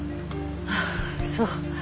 ああそう。